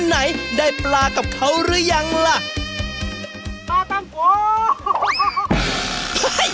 ไหนได้ปลากับเขาหรือยังล่ะปลาตั้งโก